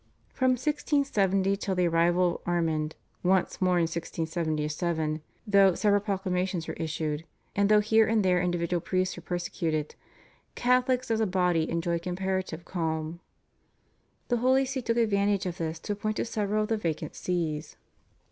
From 1670 till the arrival of Ormond once more in 1677, though several proclamations were issued and though here and there individual priests were persecuted, Catholics as a body enjoyed comparative calm. The Holy See took advantage of this to appoint to several of the vacant Sees.